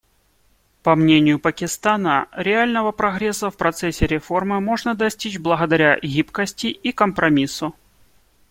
По мнению Пакистана, реального прогресса в процессе реформы можно достичь благодаря гибкости и компромиссу.